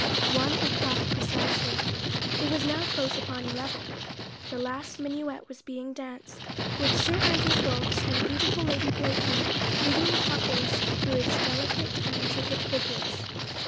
One o'clock precisely! It was now close upon eleven, the last minuet was being danced, with Sir Andrew Ffoulkes and beautiful Lady Blakeney leading the couples, through its delicate and intricate figures.